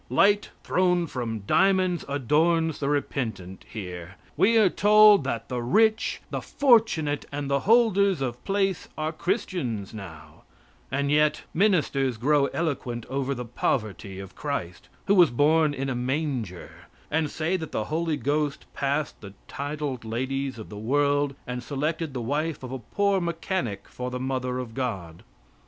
Light thrown from diamonds adorns the repentant here. We are told that the rich, the fortunate, and the holders of place are Christians now; and yet ministers grow eloquent over the poverty of Christ, who was born in a manger, and say that the Holy Ghost passed the titled ladies of the world and selected the wife of a poor mechanic for the mother of God.